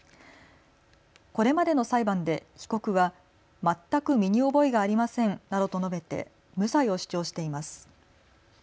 これまでの裁判で被告は全く身に覚えがありませんなどと述べて無罪を主張しています。